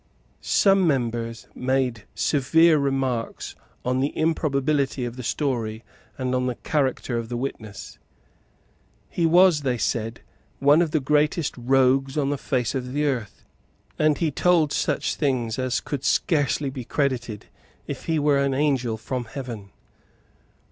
Some members made severe remarks on the improbability of the story and on the character of the witness. He was, they said, one of the greatest rogues on the face of the earth; and he told such things as could scarcely be credited if he were an angel from heaven.